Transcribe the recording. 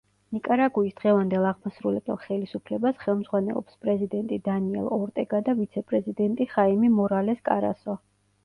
ნიკარაგუის დღევანდელ აღმასრულებელ ხელისუფლებას ხელმძღვანელობს პრეზიდენტი დანიელ ორტეგა და ვიცე-პრეზიდენტი ხაიმე მორალეს კარასო.